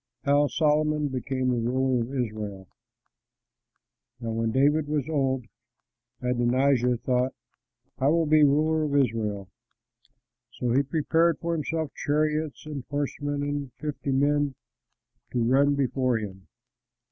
HOW SOLOMON BECAME THE RULER OF ISRAEL Now when David was old, Adonijah thought, "I will be ruler of Israel." So he prepared for himself chariots and horsemen and fifty men to run before him.